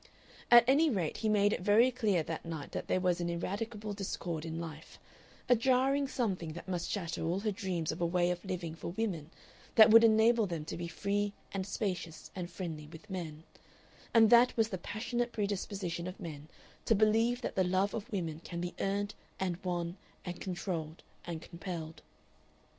At any rate he made it very clear that night that there was an ineradicable discord in life, a jarring something that must shatter all her dreams of a way of living for women that would enable them to be free and spacious and friendly with men, and that was the passionate predisposition of men to believe that the love of women can be earned and won and controlled and compelled.